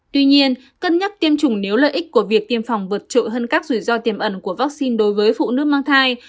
tuy nhiên cân nhắc tiêm chủng nếu lợi ích của việc tiêm phòng vượt trội hơn các rủi ro tiềm ẩn của vaccine đối với phụ nữ mang thai